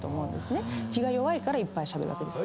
気が弱いからいっぱいしゃべるわけです。